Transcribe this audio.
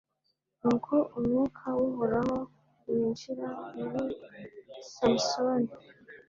nuko umwuka w'uhoraho winjira muri samusoni